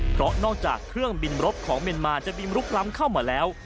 เพราะนอกจากเครื่องบินรบของเมียนมาจะบินลุกล้ำเข้ามาแล้ว